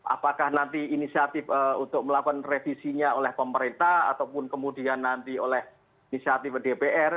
apakah nanti inisiatif untuk melakukan revisinya oleh pemerintah ataupun kemudian nanti oleh inisiatif dpr